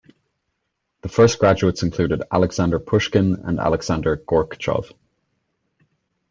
The first graduates included Alexander Pushkin and Alexander Gorchakov.